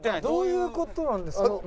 どういうことなんですか？